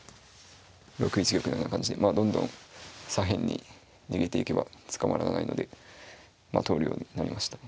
６一玉のような感じでまあどんどん左辺に逃げていけば捕まらないので投了になりましたね。